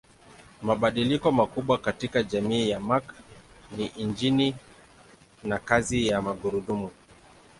Mabadiliko makubwa katika jamii ya Mark ni injini na kazi ya magurudumu.